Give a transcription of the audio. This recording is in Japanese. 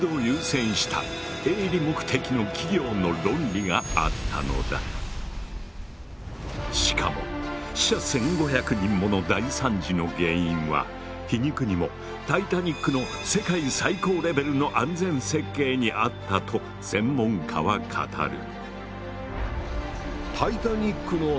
たとえそのためには氷山の海でしかも死者１，５００人もの大惨事の原因は皮肉にもタイタニックの世界最高レベルの安全設計にあったと専門家は語る。